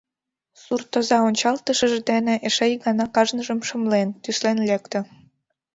Суртоза ончалтышыж дене эше ик гана кажныжым шымлен, тӱслен лекте.